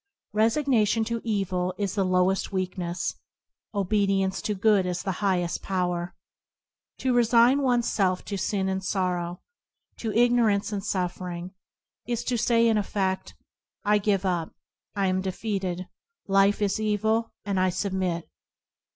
Resignation to evil is the lowest weakness; obedience to good is the highest power. To resign oneself to sin and sorrow, to igno rance and suffering, is to say in eflfed:, " I give up; I am defeated; life is evil, and I submit."